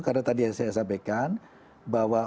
karena tadi yang saya sampaikan bahwa